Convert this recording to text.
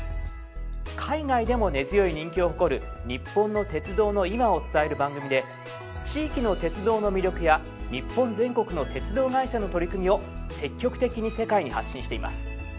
海外でも根強い人気を誇る日本の鉄道の今を伝える番組で地域の鉄道の魅力や日本全国の鉄道会社の取り組みを積極的に世界に発信しています。